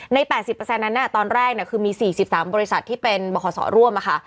๘๐นั้นตอนแรกคือมี๔๓บริษัทที่เป็นบคศร่วมค่ะ